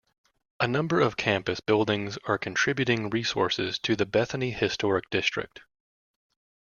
A number of campus buildings are contributing resources to the Bethany Historic District.